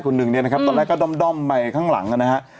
ตอนแรกก็ด้อมไปข้างหลังแล้วนะฮะ